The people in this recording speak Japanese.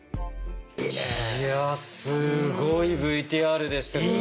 いやすごいＶＴＲでしたけど。